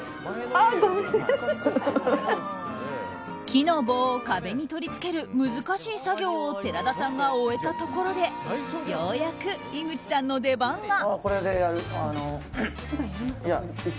木の棒を壁に取り付ける難しい作業を寺田さんが終えたところでようやく井口さんの出番が。